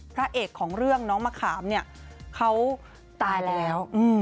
พระเอกของเรื่องน้องมะขามเนี่ยเขาตายแล้ว